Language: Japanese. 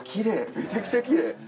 めちゃくちゃきれい。